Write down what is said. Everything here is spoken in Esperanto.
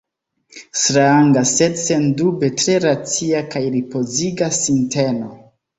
Stranga, sed sendube tre racia kaj ripoziga sinteno.